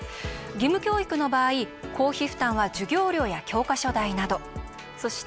義務教育の場合、公費負担は授業料や教科書代など。